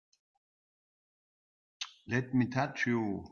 Let me touch you!